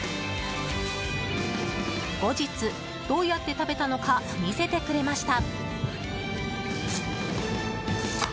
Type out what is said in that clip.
後日、どうやって食べたのか見せてくれました。